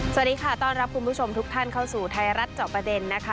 สวัสดีค่ะต้อนรับคุณผู้ชมทุกท่านเข้าสู่ไทยรัฐจอบประเด็นนะคะ